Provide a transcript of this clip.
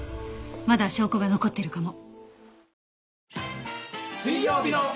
まだ証拠が残っているかも。